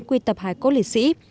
quy tập hải cốt liệt sĩ